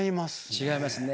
違いますね。